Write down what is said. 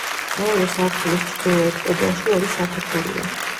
მეორე სართულის ჩრდილოეთ კედელში ორი სათოფურია.